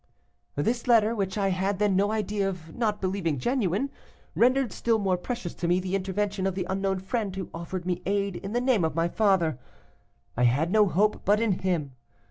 "This letter, which I had then no idea of not believing genuine, rendered still more precious to me the intervention of the unknown friend who offered me aid in the name of my father; I had no hope but in him.